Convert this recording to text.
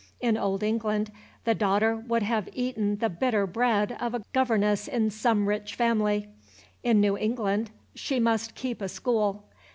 In Old England the daughter would have eaten the bitter bread of a governess in some rich family. In New England she must keep a school.